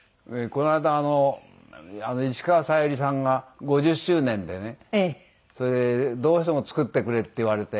この間石川さゆりさんが５０周年でねそれで「どうしても作ってくれ」って言われて。